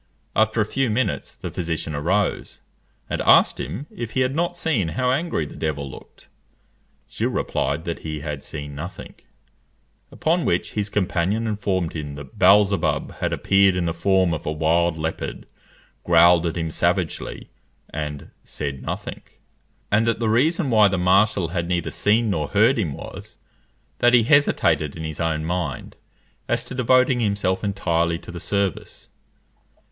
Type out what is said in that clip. After a few minutes the physician arose, and asked him if he had not seen how angry the devil looked? Gilles replied that he had seen nothing; upon which his companion informed him that Beelzebub had appeared in the form of a wild leopard, growled at him savagely, and said nothing; and that the reason why the marshal had neither seen nor heard him was, that he hesitated in his own mind as to devoting himself entirely to the service.